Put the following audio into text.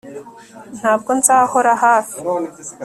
Ntabwo nzahora hafi